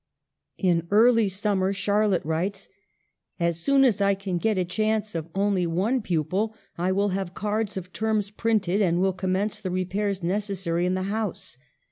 In early summer Charlotte writes: " As soon as I can get a chance of only one pupil, I will have cards of terms printed and will commence the repairs necessary in the house.